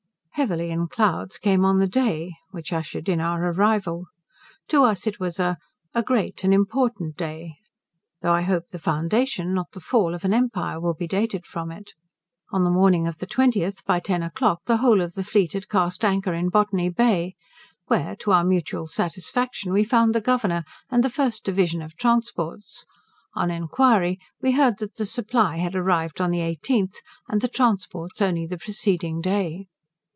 "Heavily in clouds came on the day" which ushered in our arrival. To us it was "a great, an important day," though I hope the foundation, not the fall, of an empire will be dated from it. On the morning of the 20th, by ten o'clock, the whole of the fleet had cast anchor in Botany Bay, where, to our mutual satisfaction, we found the Governor, and the first division of transports. On inquiry, we heard, that the 'Supply' had arrived on the 18th, and the transports only the preceding day.